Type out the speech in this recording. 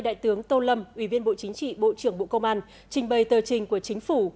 đại tướng tô lâm ủy viên bộ chính trị bộ trưởng bộ công an trình bày tờ trình của chính phủ